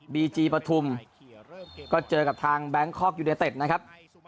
บีจีปฐุมก็เจอกับทางแบงคอกยูเนเต็ดนะครับ